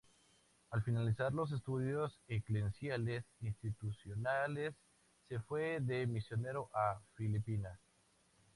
Al finalizar los estudios eclesiales institucionales se fue de misionero a Filipinas.